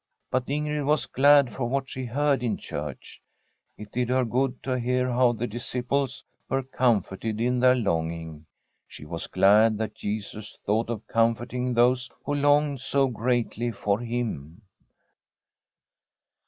But Ingrid was glad for what she heard in church. It did her good to hear how the dis ciples were comforted in their longing. She was glad that Jesus thought of comforting those who longed so greatly for Him.